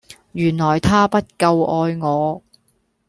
原來她不夠愛我